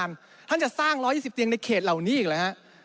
ท่านมาทานท่านจะสร้าง๑๒๐เตียงในเขตเหล่านี้อีกเหรอครับ